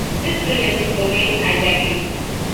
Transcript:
This prevents Domain hijacking.